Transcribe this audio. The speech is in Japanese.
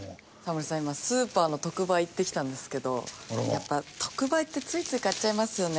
今スーパーの特売行ってきたんですけどやっぱ特売ってついつい買っちゃいますよね。